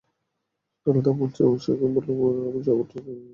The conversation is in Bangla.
আলতাফ, মন্ত্রীমশাইকে বলো আমি যা বলছি তা, যেন মন দিয়ে শোনে।